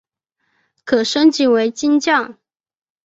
可升级为金将。